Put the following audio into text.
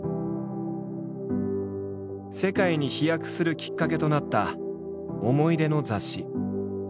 世界に飛躍するきっかけとなった思い出の雑誌。